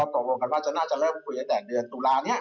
ตกลงกันว่าจะน่าจะเริ่มคุยตั้งแต่เดือนตุลานี้